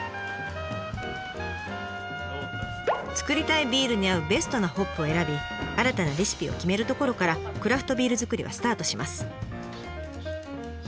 つくりたいビールに合うベストなホップを選び新たなレシピを決めるところからクラフトビールづくりはスタートします。